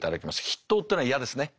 筆頭っていうのは嫌ですね。